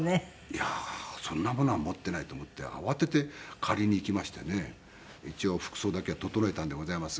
いやーそんなものは持っていないと思って慌てて借りに行きましてね一応服装だけは整えたんでございますが。